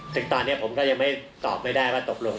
ซึ่งตอนนี้ผมก็ยังไม่ตอบไม่ได้ว่าตกลง